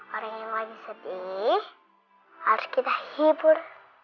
orang yang lagi sedih harus kita hibur